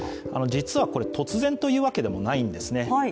実はこれ、突然というわけでもないんですね。